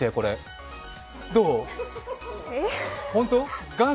どう？